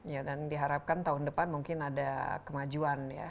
ya dan diharapkan tahun depan mungkin ada kemajuan ya